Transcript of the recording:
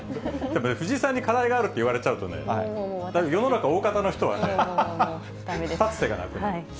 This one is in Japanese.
藤井さんに課題があるって言われちゃうとね、だけど世の中、大方の人はね、立つ瀬がなくなる。